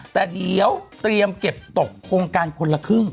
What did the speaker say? แต่เดี๋ยวเตรียมเก็บตกโครงการคนละครึ่ง